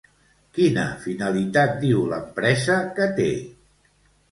Quina finalitat diu l'empresa que té?